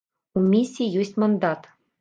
У місіі ёсць мандат.